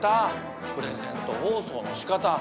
プレゼント包装のしかた。